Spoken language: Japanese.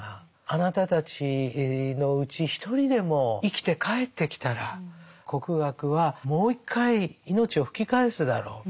あなたたちのうち一人でも生きて帰ってきたら国学はもう一回命を吹き返すだろう」。